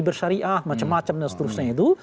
bersyariah macam macam dan seterusnya itu